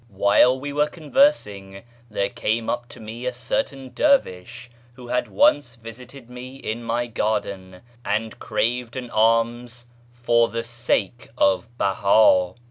While we were conversing, there came up to me a certain dervish, who had once visited me in my garden, and craved an alms " for the sake of Beha."